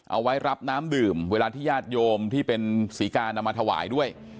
เอาไว้รับน้ำดื่มเวลาที่ญาติโยมที่เป็นศรีกานำมาถวายด้วย